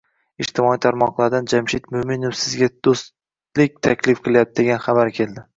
Ijtimoiy tarmoqdan Jamshid Mo`minov sizga do`stlik taklif qilyapti degan xabar keldi